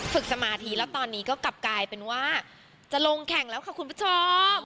สมาธิแล้วตอนนี้ก็กลับกลายเป็นว่าจะลงแข่งแล้วค่ะคุณผู้ชม